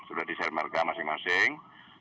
sudah di sel mereka masing masing